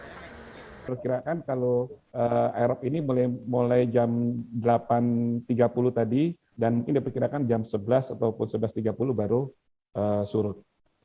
diperkirakan kalau air ini mulai jam delapan tiga puluh tadi dan mungkin diperkirakan jam sebelas ataupun sebelas tiga puluh baru surut